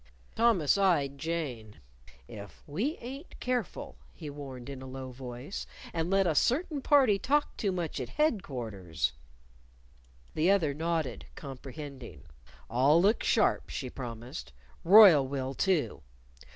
Thomas eyed Jane. "If we ain't careful," he warned in a low voice, "and let a certain party talk too much at headquarters " The other nodded, comprehending "I'll look sharp," she promised. "Royle will, too."